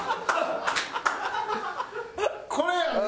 これやんな！